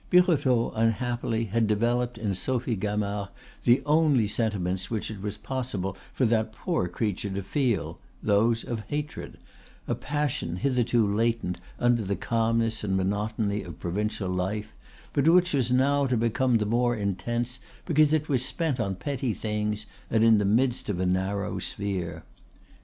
Birotteau, unhappily, had developed in Sophie Gamard the only sentiments which it was possible for that poor creature to feel, those of hatred; a passion hitherto latent under the calmness and monotony of provincial life, but which was now to become the more intense because it was spent on petty things and in the midst of a narrow sphere.